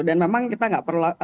dan memang kita nggak perlu jokes itu